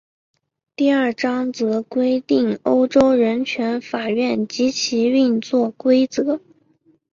第二章则规定欧洲人权法院及其运作规则。